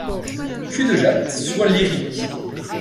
Cul-de-jatte, sois lyrique !